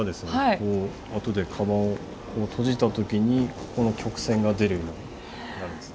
こうあとで革を閉じた時にここの曲線が出るようになるんですね。